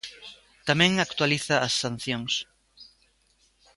Tamén actualiza as sancións.